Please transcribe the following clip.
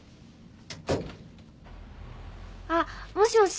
あっもしもし？